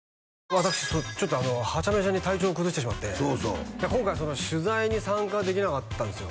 私ちょっとハチャメチャに体調を崩してしまって今回取材に参加できなかったんですよ